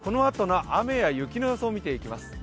このあとの雨や雪の予想を見ていきます。